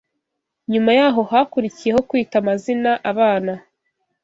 Nyuma yaho hakurikiyeho kwita amazina abana